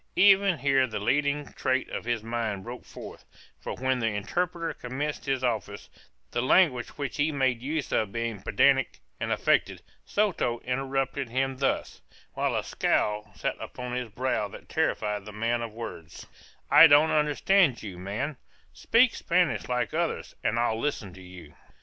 Even here the leading trait of his mind broke forth; for when the interpreter commenced his office, the language which he made use of being pedantic and affected, Soto interrupted him thus, while a scowl sat upon his brow that terrified the man of words: "I don't understand you, man; speak Spanish like others, and I'll listen to you."